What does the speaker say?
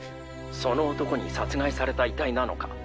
その男に殺害された遺体なのか？